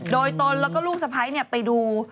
โดยตนแล้วก็ลูกสะพ้ายไปดู